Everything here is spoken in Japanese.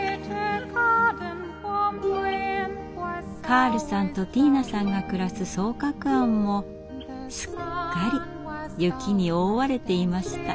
カールさんとティーナさんが暮らす双鶴庵もすっかり雪に覆われていました。